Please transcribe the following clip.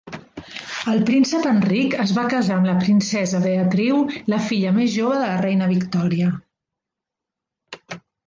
El príncep Enric es va casar amb la princesa Beatriu, la filla més jove de la reina Victòria.